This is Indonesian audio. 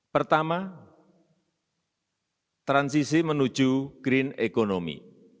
pertama transisi menuju green economy